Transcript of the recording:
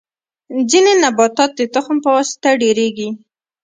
ځینې نباتات د تخم په واسطه ډیریږي